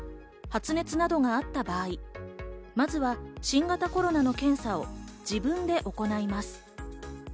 発熱などがあった場合、まずは新型コロナの検査を自分で行います。